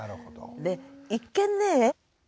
で一見ね